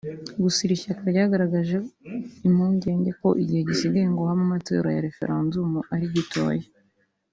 Gusa iri shyaka ryagaragaje impungenge ko igihe gisigaye ngo habe amatora ya referendumu ari gitoya